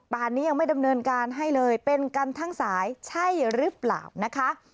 นี้ยังไม่ดำเนินการให้เลยเป็นกันทั้งสายใช่หรือเปล่านะคะ